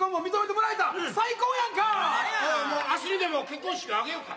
もう明日にでも結婚式を挙げようか。